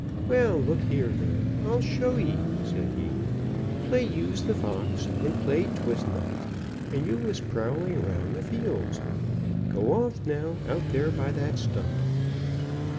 "Well, look here, then, I'll show ye," said he. "Play you's the fox; and play 't was night, and you was prowling around the fields. Go off now out there by that stump."